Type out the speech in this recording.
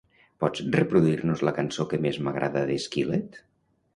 Pots reproduir-nos la cançó que més m'agrada de Skillet?